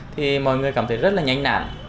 thì mọi người cảm thấy rất là nhanh nản